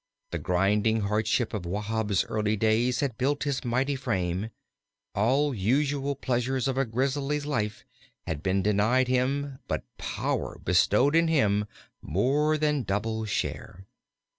The grinding hardship of Wahb's early days had built his mighty frame. All usual pleasures of a grizzly's life had been denied him but power bestowed in more than double share.